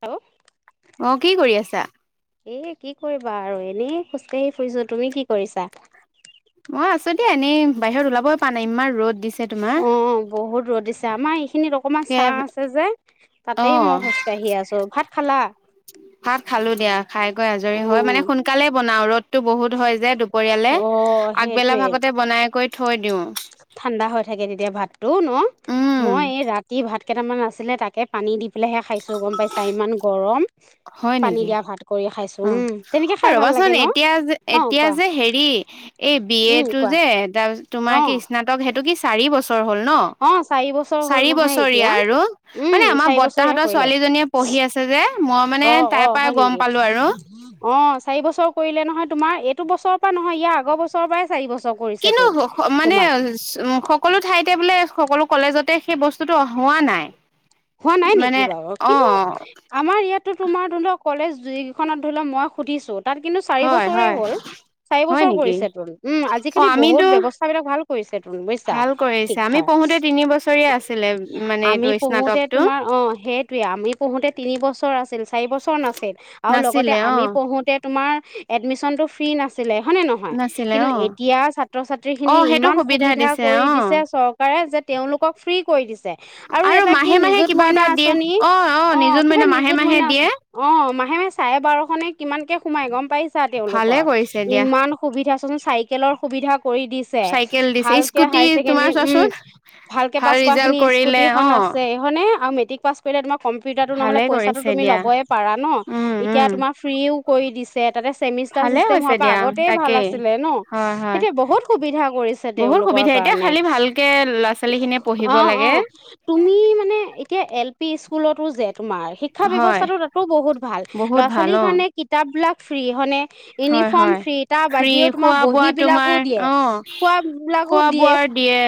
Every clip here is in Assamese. হেল', অ, কি কৰি আছা? এ কি কৰিবা আৰু এনেই খোজকাঢ়ি ফুৰিছো। তুমি কি কৰিছা? মই আছো দিয়া এনেই, বাহিৰত ওলাবই পা নাই, ইমান ৰ'দ দিছে। অ, বহুত ৰ'দ দিছে। আমাৰ খিনিত অকমান ছাহ আছে যে, তাতেই মই খোজকাঢ়ি আছো। ভাত খালা? ভাত খালো দিয়া। খাই কৈ আজৰি হয়, মানে সোনকালে বনাও ৰ'দটো বহুত হয় যে দুপৰিয়ালে। আগবেলা ভাগতে বনাই কই থৈ দিও। ঠাণ্ডা হৈ থাকে তেতিয়া ভাতটো ন? মই এই ৰাগ ৰাতি ভাত কেইটামান আছিলে, তাকে পানী দি পেলাইহে খাইছো। গম পাইছা? ইমান গৰম। হয় নেকি? অ-অ, ৰ'বাচোন এতিয়া যে - এতিয়া যে হেৰি এই বি এ টো যে, তাৰছ তোমাৰ কি স্নাতক সেইটো কি চাৰি বছৰ চৰ হ'ল ন? চাৰি বছৰীয়া আৰু, মানে আমাৰ বৰ্তাহতৰ ছোৱালীজনীয়ে পঢ়ি হি আছে যে অ-অ, হয় নেকি? অ, চাৰি বছৰ কৰিলে নহয়। তোমাৰ এইটো বছৰৰ পৰা নহয়, ইয়াৰ আগৰ বছৰৰ পৰাই চাৰি বছৰ। কিন্তু স- স মানে, উম, সকলো ঠাইতে বোলে সকলো কলেজতে সেই বস্তু হোৱা নাই। হোৱা নাই নেকি বাৰু? কিন্তু আমাৰ ইয়াত তোমাৰ ধৰি লও কলেজ যিখনত ধৰি লও মই সুধিছো, তাত কিন্তু চাৰি বছৰেই হ'ল। চাৰি বছৰ কৰিছে তোন, উম আজিকালি বহুত ব্যৱস্থাবিলাক ভাল কৰিছে তোন, বুজিছা? শিক্ষাৰ। পঢ়োতে তিনি বছৰীয়া আছিলে, মানে এইটো স্নাতক, তোমাৰ অ, সেইটোৱে আমি পঢ়োতে তিনি বছৰ আছিল চাৰি বছৰ নাছিল, আৰু লগতে আমি পঢ়োতে তোমাৰ এডমিছনটো ফ্ৰী নাছিলে। হয়নে নহয়? কিন্তু এতিয়া ছাত্ৰ-ছাত্ৰী খিনি ইমান সুবিধা কৰি দিছে চৰকাৰে যে তেওঁলোকক ফ্ৰী কৰি দিছে আৰু এটা কি নিজ মইনা আঁচনি, অ, কিবা নিজুত মইনা আছে। অ, ম আহে চাৰে বাৰশ নে কিমানকে সোমাই গম পাইছা তেওঁলোকৰ? ইমান সুবিধা চচোন, চাইকেলৰ সুবিধা কৰি দিছে। ভালকে হাই ছেকেণ্ডাৰী উম, ভালকে পাছ কৰা খিনি স্কুটিখন আছে হয়নে? আও মেট্ৰিক পাছ কৰিলে তোমাৰ কম্পিউটাৰটো নহ'লে পইচাটো তুমি ল'বই পাৰা ন? এতিয়া তোমাৰ ফ্ৰীও কৰি দিছে তাতে চেমিষ্টাৰ চিষ্টেম হোৱাৰ পৰা আগতে ভাল আছিলে ন? সেইটোয়ে, বহুত সুবিধা কৰিছে তেওঁলোকৰ কা কণে, অ অ, তুমি মানে এতিয়া এল পি স্কুলতো জে তোমাৰ শিক্ষা ব্যৱস্থাটো তাতো বহুত ভাল। ল'ৰা-ছোৱালীৰ কাৰণে কিতাপ বিলাক ফ্ৰী হয়নে? হয় হয় ফ্ৰী খোৱা-বোৱা তোমাৰ, অ, খোৱা-বোৱাৰ দিয়ে।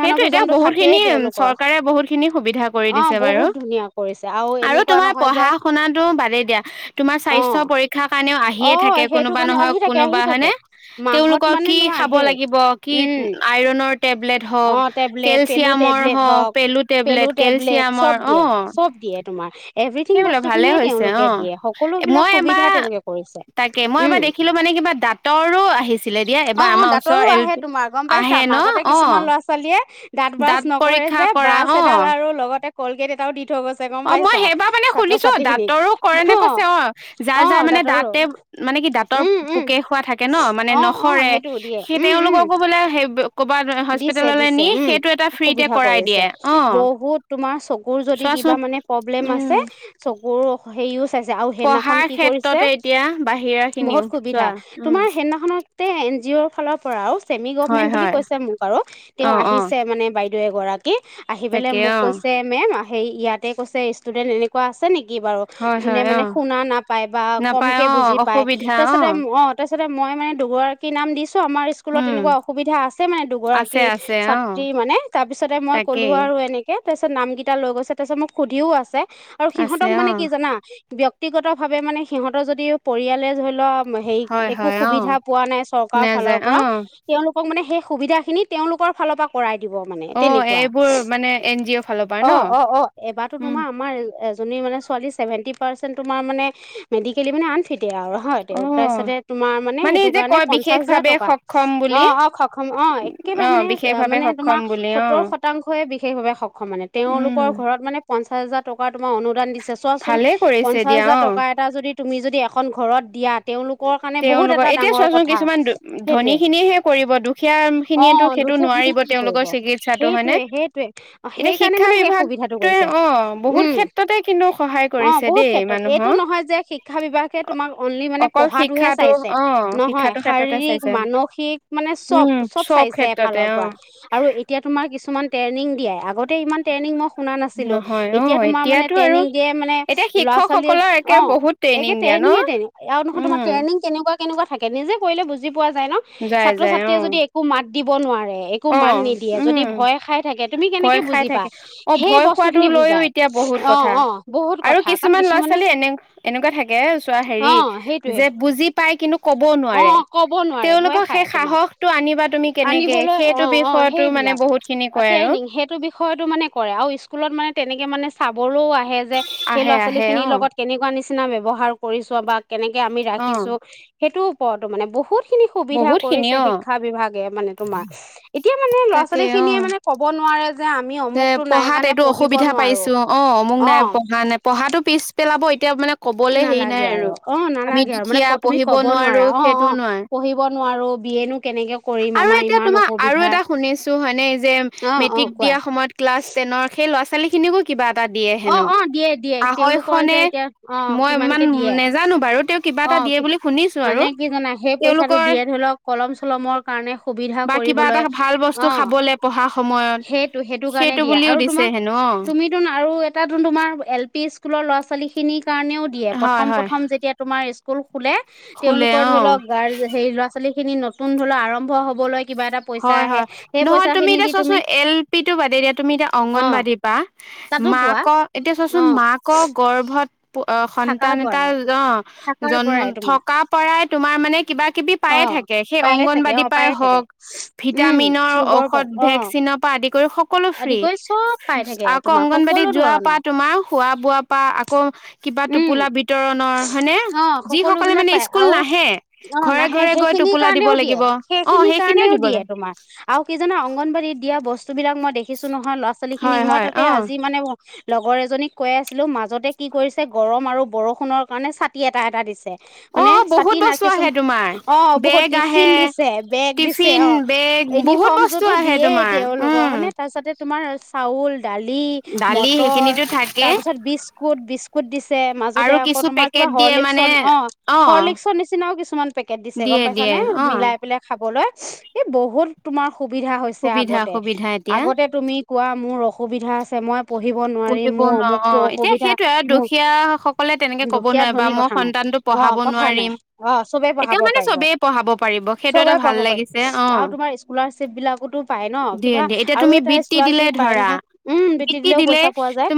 সেইটো এতিয়া বহুত খিনি চৰকাৰে বহুত খিনি সুবিধা কৰি দিছে বাৰু, আৰু তোমাৰ পঢ়া-শুনাটো বাদেই দিয়া তোমাৰ স্বাস্থ্য পৰীক্ষাৰ কাৰণেও আহি আহিয়ে থাকে কোনোবা নহ'য় কোনোবা হয়নে? তেওঁলোকৰ কি খাব লাগিব কি আ আইৰণৰ টেবলেট হওঁক, কেলচিয়ামৰ হওঁক, পেলু টেবলেট, টেবলেট চব দিয়ে, চব দিয়ে তোমাৰ। এভৰিথিং বস্তুখিনিয়ে তেওঁলোকে দিয়ে। সকলোবিলাক সুবিধা তেওঁলোকে কৰিছে উম। অ, অ, দাঁতৰো আহে তোমাৰ গম পাইছা? মাজতে কিছুমান ল'ৰা ছোৱালীয়ে দাঁত ব্ৰাছ নকৰে যে বাছ এডাল আৰু লগতে কলগেট এটাও দি থৈ গৈছে গম পাইছা ছাত্ৰ ছাত্ৰী খিনিক অ অ দাতৰ মানে কি দাঁতৰ পোকে খোৱা থাকে ন মানে নসৰে সেই তেওঁলোককো বোলে সেই দিছে দিছে উম সুবিধা কৰিছে বহুত তোমাৰ চকুৰ যদি কিবা মানে প্ৰব্লেম আছে চকুৰ সেই ইউজ চাইছে আও সেইদিনাখন কি কৰিছে বহুত সুবিধা তোমাৰ সেইদিনাখনৰ তে এন জি অ'ৰ ফালৰ পৰা আও চছেমি গভমেন্ট বুলি কৈছে মোক আৰু তেওঁ আহিছে মানে বাই দেউ এগৰাকী আহি পেলাই মোক কৈছে মেম সেই ইয়াতে কৈছে ষ্টুডেণ্ট এনেকুৱা আছে নেকি কি বাৰু যোনে মানে শুনা নাপায় বা কমকে বুজি পায় তাৰ পিছতে অ তাৰ তছ মইমানে দুগৰাকীৰ নাম দিছো আমাৰ স্কুলত তেনেকুৱা অসুবিধা [unintelligible] মানে দুগৰাকী ছাত্ৰী মানে তাৰপিছতে মই ক'লো আৰু এনেকে তাৰপিছত নাম কেইটা লৈ গৈছে তাৰপিছত মোক সুধিও আছে আৰু সিহঁতক মানে কি জানা [unintelligible] ভাৱে মানে সিহঁতৰ যদি পৰিয়ালে ধৰি লোৱা হেৰি একো সুবিধা পোৱা নাই চৰকাৰৰ ফালৰ পৰা তেওঁলোকক মানে সেই সুবিধাখিনি তেওঁলোকৰ ফালৰ পৰা কৰাই [unintelligible] তেনেকুৱা অ অ অ এবাৰতো তোমাৰ আমাৰ এজনী মান ছোৱালী চছেভেণ্টি পাৰ্চেণ্ট তোমাৰ মানে মেডিকেলি মানে আনফিট এয়া আৰু হয় দেউতাৰ পিছতে তোমাৰ মানে সেইটো কাৰণে পঞ্চাশ হাজাৰ টকা অ আহ খক অ একেবাৰে মানে মানে তোমাৰ সত্তৰ শতাংশয়ে বিশেষভাৱে সক্ষম মানে তেওঁলোকৰ ঘৰত মানে পঞ্চাছ হাজাৰ টকা তোমাৰ অনুদান দি চোৱাচোন পঞ্চাছ হাজাৰ টকা এটা যদি তুমি যদি এখন ঘৰত দিয়াত তেওঁলোকৰ কাৰণে বহুত এটা ডাঙৰ কথা সেইটোৱে অ দুশ সনা কি কৰিব সেইটোৱে সেইটোৱে সেইকাৰণে মানে সেই [unintelligible] সুবিধা কৰিছে উম অ বহুত ক্ষেত্ৰত এইটো নহয় যে শিক্ষা বিভাগ তোমাক অনলি মানে পঢ়াটোহে চাইছে নহয় শাৰীৰিক মানসিক মানে চব চব চাই চাই এফালৰ পৰা আৰু এতিয়া তোমাৰ কিছুমান ট্ৰেনিং দিয়াই আগত তে ইমান ট্ৰেইনিং মই শুনা নাছিলো এতিয়া তোমাৰ মানে ট্ৰেইনিং দিয়ে মানে ল'ৰা ছোৱালীয়ে অ একে ট্ৰেনিঙে ট্ৰেনিং আৰু নহয় তোমাৰ ট্ৰেইনিং কেনেকুৱা কেনেকুৱা থাকে নিজে কৰিলে বুজি পোৱা যায় ন ছাত্ৰ ছাত্ৰীয়ে যদি একো মাত দিব নোৱাৰ যে একো মান নিদিয়ে যদি ভয় খাই থাকে তুমি কেনেকে বুজিবা সেই বস্তু খিনি বুজাই অ অ বহুত কথা কাৰণ কিছুমানে অ সেইটোয়ে বুজি পাই কিন্তু ক'ব নোৱাৰে তেওঁলোকক সেই সাহসটো আনিবা তুমি কেনেকে অ অ সেইবিলাক ট্ৰেইনিং সেইটো বিষয়টো মানে কৰে আৰু স্কুলত মানে তেনেকে মানে চাপ কলৌ আহে যে সেই ল'ৰা ছোৱালীখিনিৰ লগত কেনেকুৱা নিচিনা ব্যৱহাৰ কৰিছোৱা বা কেনেকে আমি ৰাখিছো সেইটোৰ ওপৰতো মানে বহুত খিনি সুবিধা কৰিছে শিক্ষা বিভাগ কে মানে তোমাৰ এতিয়া মানে ল'ৰা ছোৱালী খিনিয়ে মানে ক'ব নোৱাৰে যে আমি অমুকটো নাই কাৰণে পঢ় অসুবিধা পাইছোঁ অঁ অমোক নাই পঢ়া নাই পঢ়াটো পিছ পেলাব এতিয়া মানে কবলে হেৰি নাই আৰু আমি দুখীয়া পঢ়িব নোৱাৰো সেইটোও নোৱাই আৰু এতিয়া তোমাৰ আৰু এটা শুনিছো হয়নে যে মেট্ৰিক দিয় সময়ত [unintelligible] টেনৰ সেই ল'ৰা ছোৱালী খিনিকো কিবা অ' অ' দিয়ে দিয়ে তেওঁলোকৰ যে এতিয়া অ কিমানকে দিয়ে অ'। অ কি মানে কি জানা সে পইচাটো দিয়ে ধৰি লওক কলম চলমৰ কাৰণে সুবিধা কৰিবলৈ অ' সেইটো সেইটো কাৰণে দিয়া আৰু তোমাক তুমিতো [unintelligible] এ পি স্ কাৰ [unintelligible] তেওঁলোকৰ ধৰি লওক গ হে ল'ৰা ছোৱালী খিনি নতুন ধৰি লওক আৰম্ভ হবলৈ কিবা এটা পইচা আহে সেই পইচা খিনি দি তুমি অ' তাতো পোৱা। এতিয়া চোৱাচোন মাক গৰ্ভত অ' সন্তান এটা অ' জন্ম থকা পৰাই তোমাৰ মানে কিবা কিবি পায়ে থাকে সেই অংগনবাদীৰ পাই হওক। ভিটামিনৰ ঔষধ ভেকচিনৰ পৰা আদি কৰি সকলো ফ্ৰী। আক অংগনবাদীত যোৱাৰ পা তোমাৰ খোৱা বোৱাৰ পৰা আকৌ কিবা টোপোলা বিতৰণৰ হয়নে। যি সকলে মানে স্কুল নাহে ঘৰে ঘৰে গৈ টোপোলা দিব লাগিব। অ সেই কাৰণেও দিয়ে তোমাৰ আৰু কি জানো অংগনবাদীত দিয়া বস্তুবিলাক মই দেখিছো ন নহয়, ল'ৰা - ছোৱালীখিনিক মই তাতে আজি মানে লগৰ এজনীক কৈ আছিলো মাজতে কি কৰিছে গৰম আৰু বৰষুণৰ কাৰণে ছাতি এটা- এটা দিছে। মানে ছাতি নাৰ কিছু অ', বহুত টিফিন দিছে বেগ দিছে অ' ইউনিফৰ্ম যোৰতো দিয়েই তেওঁ। লগৰ হয়নে তাৰ পাছতে তোমাৰ চাউল দালি মটৰ তাৰপিছত বিস্কুট- বিস্কুট দিছে মাজতে আকৌ তোমাৰ কিবা হৰ্লিস্ক অ' হৰ্লিস্কৰ নিচিনাও কিছুমান পেকেট দিছে গম পাইছানে, মিলাই পেলা খাবলৈ এ বহুত তোমাৰ সুবিধা হৈছে আগতে, আগতে তুমি কোৱা মোৰ অসুবিধা আছে মই পঢ়িব নোৱাৰিম। মোৰ অমুকটো অসুবিধা মোৰ দুখীয়া ধনী কথা নাই অ', কথা নাই অ', চবেই পঢ়াব পাৰিব। চবে পঢ়াব পাৰি আৰু তোমাৰ স্কলাৰশ্বিপবিলাক তো পাই ন কিবা আৰু এটা স্কলাৰশ্বিপ পাই নহয়, উম, বৃত্তি দিলেও পইচা পোৱা যায়।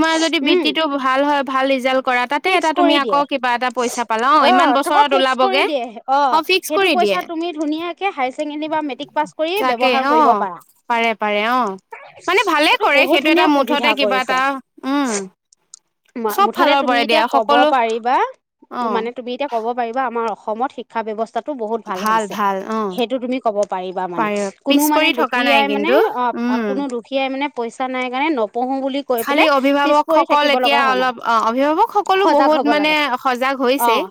বৃত্তিটো ভাল হয় ভাল ৰিজাল্ট কৰা তাতে এটা তুমি আকৌ কিবা এটা পইচা পালা অ', ইমান বছৰত ওলাব বগে অ', সেইটো পইচা তুমি ধুনীয়াকে হাই ছেকেণ্ডৰী বা মেট্ৰিক পাছ কৰি ব্যৱহাৰ অ', পাৰে, পাৰে অ',। মানে ভালে কৰে সেইটো এটা মুঠতে কিবা এটা। উম, মুঠতে তুমি এতিয়া কব পাৰিবা, মানে তুমি এতিয়া ক'ব পাৰিবা আমাৰ অসমত শিক ক্ষা ব্যৱস্থাত টো বহুত ভাল হৈছে। সেইটো তুমি ক'ব পাৰিবা মানে কোনো মানে দুখীয়াই মানে অ', আৰু কোনো দুখীয়াই মানে পইচা নাই কাৰণে ন পঢ়ো বুলি কৈ পেলে পিছ পৰি থাকিব লগা হোৱা নাই। সজাগ হব লাগে। অ',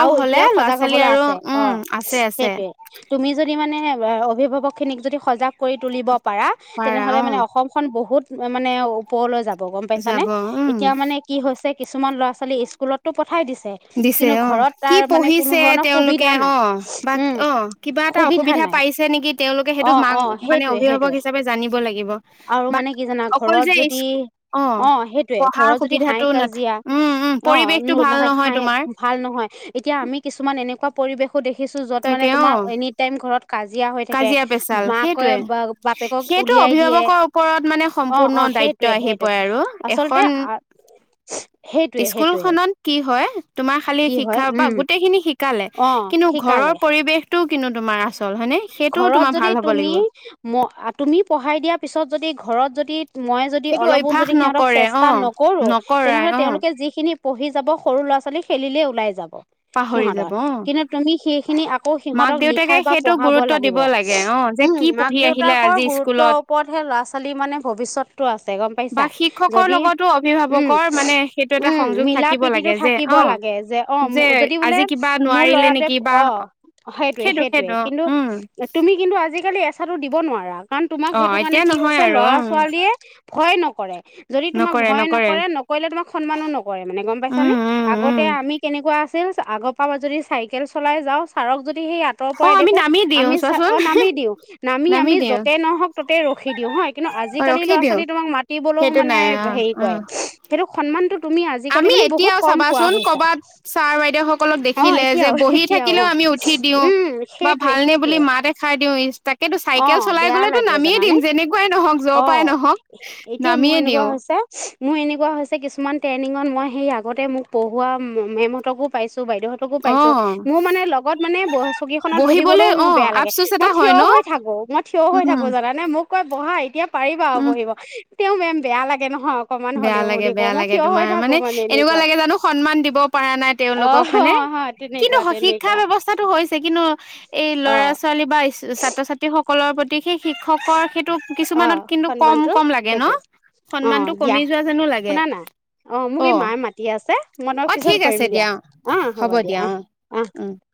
আৰু এতিয়াও সজাগ হবলৈ আছে। অ', সেইটোয়ে তুমি যদি মানে অভিভাৱকখিনিক যদি সজাগ কৰি তুলিব পাৰা তেনেহলে মানে অসমখন বহুত মানে ওপৰলৈ যাব গম পাইছা নে? এতিয়া মানে কি হৈছে কিছুমান ল'ৰা- ছোৱালী স্কুলতো প ওঠাই দিছে কিন্তু ঘৰত তাৰ মানে কোনো ধৰণৰ সুবিধা নাই উম, সুবিধা নাই অ', অ'। সেইটয়ে, সেইটোয়ে আৰু মানে কি জানা ঘৰত যদি অঁ, সেইটোয়ে ঘৰত যদি হাই কাজিয়া অঁ, ন ভাল নহয়। এতিয়া আমি কিছুমান এনেকুৱা পৰিৱেশো দেখিছো য'ত মানে তোমাৰ এনি টাইম ঘৰত কাজিয়া হৈ থাকে। মাকে বাপেকক উলিয়াই দিয়ে অ', অ'। সেইটোৱে, সেইটোৱে, আচলতে স্কুল খনত কি হয় তোমাৰ খালি শিক্ষাৰ পৰা গোট শিকালে, কিন্তু ঘৰৰ পৰিৱেশতটো কিন্তু তোমাৰ আচ ঘৰত যদি তুমি ম তুমি পঢ়াই দিয়া পিছত যদি ঘৰত যদি মই যদি অলপো যদি সিহঁতক চেষ্টা নকৰো তেনেহ'লে তেওঁলোকে যিখিনি পঢ়ি যাব সৰু ল'ৰা ছোৱালী খেলিলেই ওলাই যাব। সিহঁতৰ কিন্তু তুমি সেইখিনি আকৌ সিহঁতক লিখাই বা পঢ়াব লাগিব উম, মাক- দেউতাকৰ গুৰুত্বৰ ওপৰতহে ল'ৰা ছোৱালীৰ মানে ভৱিষ্যত আছে গম পাইছা? যদি উম, উম, মিলা প্ৰীতিটো থাকি ব লাগে যে অ', যদি বোলে মোৰ ল'ৰাটোৱে অ', সেইটোয়ে, সেইটোয়ে, কিন্ত তুমি কিন্তু আজিকালি এচাটো দিব নোৱাৰা। কাৰণ তোমাক সেইটো কাৰণে কি হৈছে ল'ৰা- ছোৱালীয়ে ভয় নকৰে। যদি তোমাক ভয় নকৰে নকৰিলে তোমাক সন্মানো নকৰে মানে গম পাইছানে আগতে আমি কেনেকুৱা আছিল আগৰ পৰা যদি চাইকেল চলাই যাওঁ ছাৰক যদি সেই আতৰ দেখো আমি চ অ নামি দিওঁ নামি আমি য'তেই নহওক ততে ৰখি দিওঁ হা কিন্তু আজি আজিকালি ল'ৰা ছোৱালী তোমাক মাতিবলৈও মানে হেৰি কৰে সেইটো সন্ম আমি এতিয়াও চাবাচোন কৰবাত ছাৰ বাইদেউ সকলক দেখিলে যে বহি থাকিলেও আমি উঠি দিওঁ বা ভালনে বুলি মা দে খাই দিওঁ ইন কিন্তু চাইকেল চলাই গ'লেতো নামিয়েই দিম যেনেকুৱাই নহওক যৰ পৰাই নহওক নামিয়েই দিওঁ। মোৰ এনেকুৱা হৈছে কিছুমান ট্ৰেইনিঙত মই সেই আগতে মোক পঢ়োৱা মেমহতকো পাইছোঁ। বাইদেউহঁতকো পাইছো মোৰ মানে লগত মানে ব চকী খনত বহিবলৈও মোৰ বেয়া লাগে মই থিয় হৈ থাকো মই থিয় হৈ থাকো জানে মোক কয় বহা এতিয়া পাৰিবা আৰু বহিব তেওঁ মেম বেয়া লাগে নহয়, বেয়া লাগে বেয়া লাগে তোমাৰ মানে এনেকুৱা লাগে জানো সন্মান দিব পৰা নাই তেওঁলোকক হয়নে। কিন্তু শিক্ষা ব্যৱস্থাটো হৈছে কিন্তু এই ল'ৰা ছোৱালী বা ছাত্ৰ ছাত্ৰীসকল প্ৰতি সেই শিক্ষকৰ সেইটো কিছুমানত কিন্তু কম কম লাগে ন সম্মানটো কমি যোৱা যেনো লাগে। অ মোক এই মায়ে মাতিয়ে আছে মই তাক পিছত কৰিম দিয়া আহ হ'ব দিয়া আহ আহ।